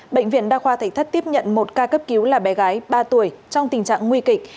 bệnh viện đa khoa thịnh thất tiếp nhận một ca cấp cứu là bé gái ba tuổi trong tình trạng nguy kịch